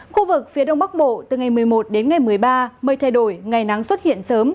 khu vực phía đông bắc bộ từ ngày một mươi một đến ngày một mươi ba mây thay đổi ngày nắng xuất hiện sớm